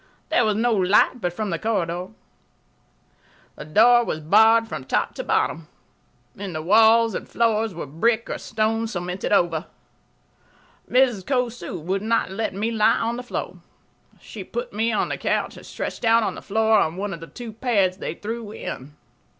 There was no light but from the corridor. The door was barred from top to bottom. The walls and floors were brick or stone cemented over. Mrs. Cosu would not let me lie on the floor. She put me on the couch and stretched out on the floor on one of the two pads they threw in.